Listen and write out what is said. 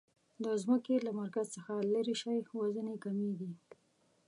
د ځمکې له مرکز څخه لیرې شئ وزن یي کمیږي.